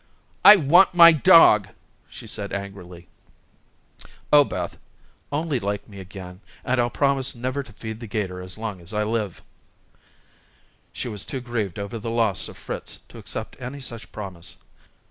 "I want my dog," she said angrily. "O Beth, only like me again, and I'll promise never to feed the 'gator as long as I live." She was too grieved over the loss of Fritz to accept any such promise.